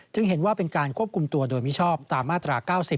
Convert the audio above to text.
เห็นว่าเป็นการควบคุมตัวโดยมิชอบตามมาตรา๙๐